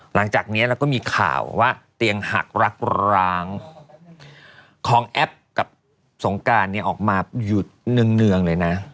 หลังจากนี้เราก็มีข่าวว่าเตียงหักรักร้างของแอปกับสงการเนี่ยออกมาอยู่เนื่องเลยนะ